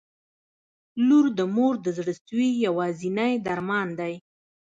• لور د مور د زړسوي یوازینی درمان دی.